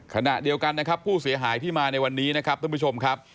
ขณะเดียวกันนะครับผู้เสียหายที่มาในวันนี้นะครับท่านผู้ชมครับ